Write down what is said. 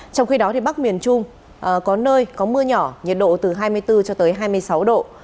trong khi đó bắc miền trung có nơi có mưa nhỏ nhiệt độ từ hai mươi bốn cho tới hai mươi sáu độ